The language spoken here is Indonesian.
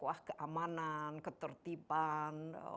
wah keamanan ketertiban